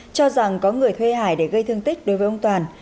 cho rằng có người thuê hải để gây thương tích đối với ông toàn